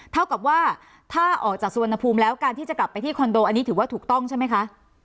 เท่ากับว่าถ้าออกจากสุวรรณภูมิแล้วการที่จะกลับไปที่คอนโดอันนี้ถือว่าถูกต้องใช่ไหมคะ